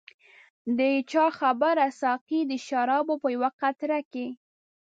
د چا خبره ساقي د شرابو په یوه قطره کې.